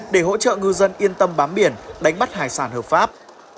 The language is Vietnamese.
để hỗ trợ ngư dân yên tâm bám biển đánh bắt hải sản hợp pháp